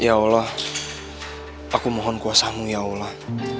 ya allah aku mohon kuasamu ya allah